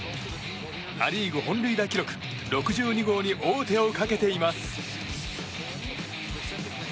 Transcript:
ア・リーグ本塁打記録６２号に王手をかけています。